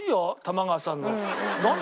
玉川さんの何？